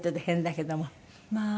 まあ。